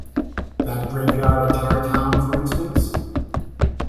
That graveyard at Tarrytown, for instance.